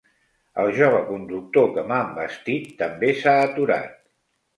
El jove conductor que m'ha envestit també s'ha aturat.